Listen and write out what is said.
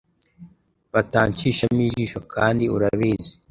batanshishamo ijisho kandi urabizi